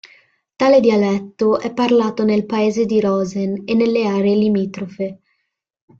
Tale dialetto è parlato nel paese di Rosen e nelle aree limitrofe.